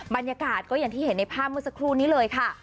บรรยากาศก็อย่างที่เห็นในภาพเมื่อสักครู่นี้เลยค่ะ